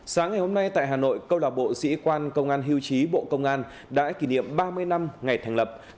sáng ngày hôm nay tại hà nội câu lạc bộ sĩ quan công an hiêu chí bộ công an đã kỷ niệm ba mươi năm ngày thành lập